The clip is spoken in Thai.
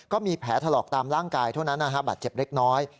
ก็มีแผลถลอกตามร่างกายเท่านั้นบาดเจ็บเล็กน้อย